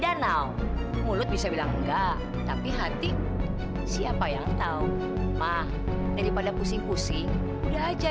danau mulut bisa bilang enggak tapi hati siapa yang tahu mah daripada pusing pusing udah aja